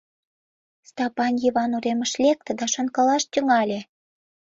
Стапан Йыван уремыш лекте да шонкалаш тӱҥале.